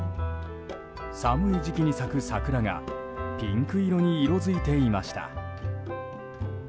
寒い時期に咲く桜がピンク色に色づいていました。